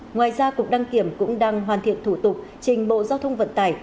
ngoài ra cục đăng kiểm cũng đang hoàn thiện thủ tục trình bộ giao thông vận tải